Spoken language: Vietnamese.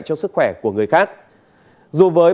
cho sức khỏe của người khác dù với